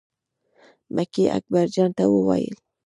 مکۍ اکبر جان ته وویل.